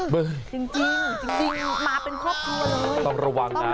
พี่พินโย